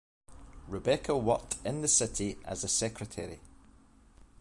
Rebecca worked in the city as a secretary.